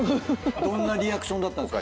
どんなリアクションだったんですか？